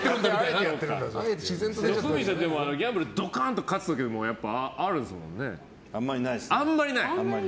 徳光さん、ギャンブルドカーンと勝つ時もあるんですよね。